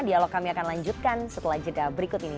dialog kami akan lanjutkan setelah jeda berikut ini